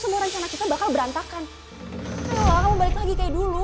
semua rencana kita bakal berantakan kamu balik lagi kayak dulu